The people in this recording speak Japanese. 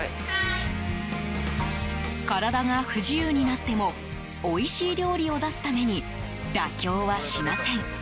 体が不自由になってもおいしい料理を出すために妥協はしません。